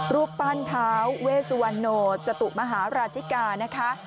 รูปปั้นท้าเวสุวรรณโนจตุมหาราชิกานะคะ